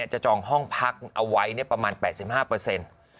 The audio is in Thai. จองห้องพักเอาไว้ประมาณ๘๕เปอร์เซ็นต์